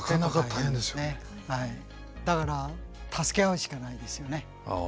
だから助け合うしかないですよね。